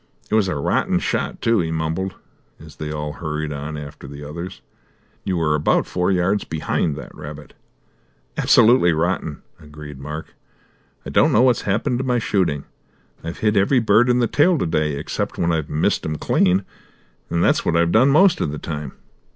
"It was a rotten shot, too," he mumbled, as they all hurried on after the others. "You were about four yards behind that rabbit." "Absolutely rotten," agreed Mark. "I don't know what's happened to my shooting. I've hit every bird in the tail to day, except when I've missed 'em clean, and that's what I've done most of the time.